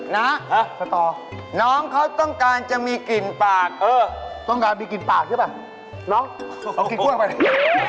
นะสตอน้องเขาต้องการจะมีกลิ่นปากเออต้องการมีกลิ่นปากใช่ป่ะน้องเอากินกล้วยมาดิ